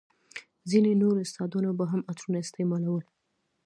ځينو نورو استادانو به هم عطرونه استعمالول.